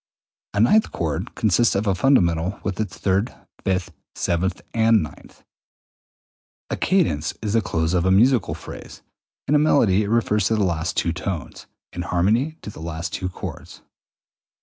A ninth chord consists of a fundamental with its third, fifth, seventh, and ninth. 202. A cadence is the close of a musical phrase: in melody it refers to the last two tones; in harmony to the last two chords.